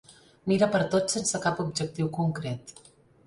Mira pertot sense cap objectiu concret.